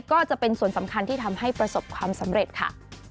ก็จะเป็นส่วนสำคัญที่ทำให้ประสบความสำเร็จค่ะ